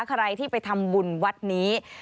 ใครที่ไปทำบุญวัดนี้